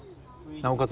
なおかつ